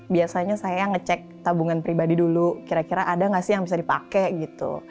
biasanya saya ngecek tabungan pribadi dulu kira kira ada nggak sih yang bisa dipakai gitu